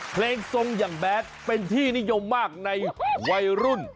เพลงทรงอย่างแบทเป็นที่นิยมมากในวัยรุ่น